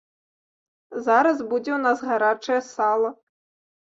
Зараз будзе ў нас гарачае сала.